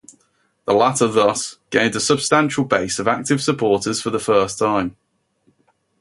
The latter thus gained a substantial base of active supporters for the first time.